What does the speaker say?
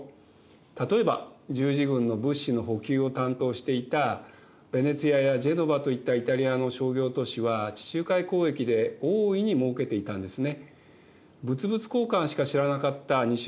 例えば十字軍の物資の補給を担当していたヴェネツィアやジェノヴァといったイタリアの商業都市は地中海交易で大いにもうけていたんですね。